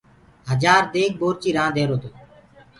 هجآر ديگ بورچي رآند هيرو تو